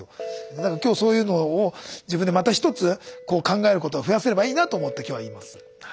だから今日そういうのを自分でまた一つ考えることを増やせればいいなと思って今日はいます。